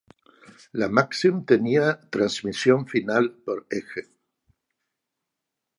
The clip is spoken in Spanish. La Maxim tenía transmisión final por eje.